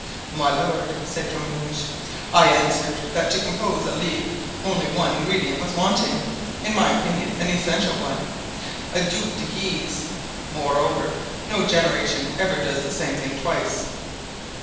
"My lord," said Comminges, "I answered that to compose a Ligue only one ingredient was wanting—in my opinion an essential one—a Duc de Guise; moreover, no generation ever does the same thing twice."